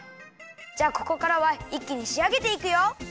じゃあここからはいっきにしあげていくよ。